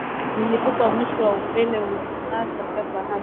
mlipuko wa mwisho wa upele Ikiwa wakomavu wataathirika fahamu kuwa